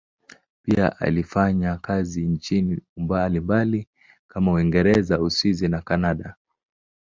Pia alifanya kazi nchini mbalimbali kama Uingereza, Uswisi na Kanada.